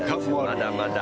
まだまだ。